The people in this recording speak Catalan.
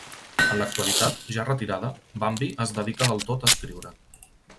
En l'actualitat, ja retirada, Bambi es dedica del tot a escriure.